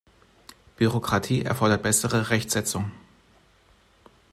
Bürokratie erfordert bessere Rechtsetzung.